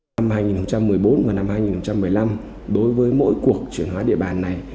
năm hai nghìn một mươi bốn và năm hai nghìn một mươi năm đối với mỗi cuộc chuyển hóa địa bàn này